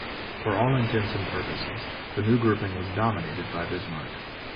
For all intents and purposes, the new grouping was dominated by Bismarck.